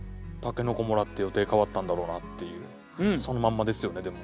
筍貰って予定変わったんだろうなっていうそのまんまですよねでも。